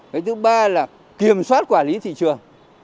cái thứ ba là kiểm soát quản lý thị trường